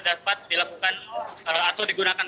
dapat dilakukan atau digunakan